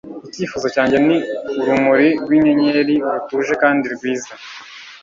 icyifuzo cyanjye ni urumuri rwinyenyeri, rutuje kandi rwiza